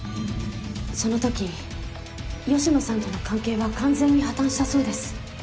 そのとき芳野さんとの関係は完全に破綻したそうです。